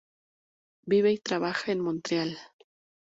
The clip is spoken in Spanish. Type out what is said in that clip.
Vive y trabaja en Montreal.